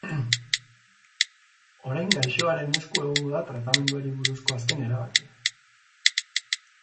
Orain gaixoaren esku egongo da tratamenduari buruzko azken erabakia.